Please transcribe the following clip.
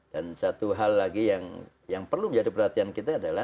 dan satu hal lagi yang perlu menjadi perhatian kita adalah